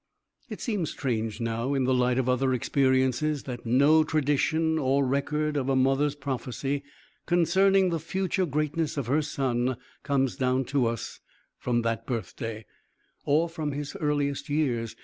It seems strange now, in the light of other experiences, that no tradition or record of a mother's prophecy concerning the future greatness of her son comes down to us from that birthday, or from his earliest years.